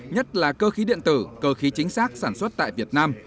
nhất là cơ khí điện tử cơ khí chính xác sản xuất tại việt nam